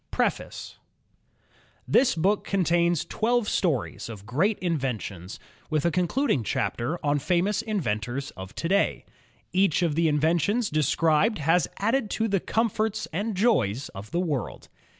PREFACE Tms book contains twelve stories of great inventions, with a concluding chapter on famous inventors of to day. Each of the inventions described has added to the com forts and joys of the world.